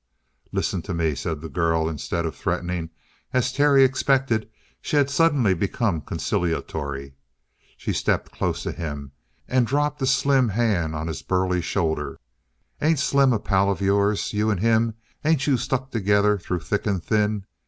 "Listen to me," said the girl. Instead of threatening, as Terry expected, she had suddenly become conciliatory. She stepped close to him and dropped a slim hand on his burly shoulder. "Ain't Slim a pal of yours? You and him, ain't you stuck together through thick and thin?